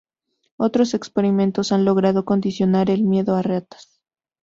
Otros experimentos han logrado condicionar el miedo en ratas.